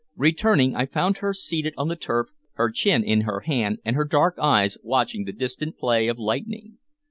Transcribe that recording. Returning, I found her seated on the turf, her chin in her hand and her dark eyes watching the distant play of lightning.